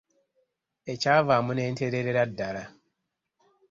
Ekyavaamu ne ntereerera ddala.